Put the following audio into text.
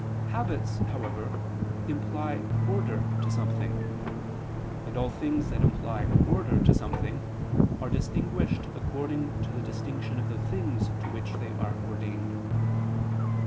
Habits, however, imply order to something: and all things that imply order to something, are distinguished according to the distinction of the things to which they are ordained.